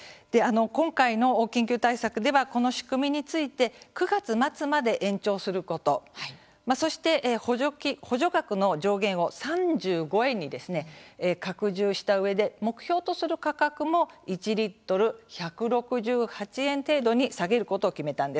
今回の緊急対策ではこの仕組みについて９月末まで延長することそして、補助額の上限を３５円に拡充したうえで目標とする価格も１リットル１６８円程度に下げることを決めたんです。